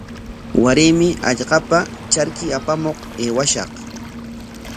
Waraymi hallqapa charki apamuq aywashaq.